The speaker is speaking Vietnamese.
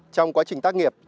trong quá trình tác nghiệp